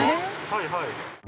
はいはい。